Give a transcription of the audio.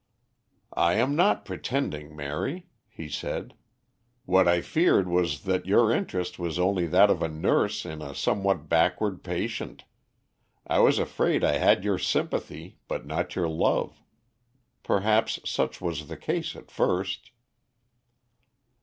"I am not pretending, Mary," he said. "What I feared was that your interest was only that of a nurse in a somewhat backward patient. I was afraid I had your sympathy, but not your love. Perhaps such was the case at first."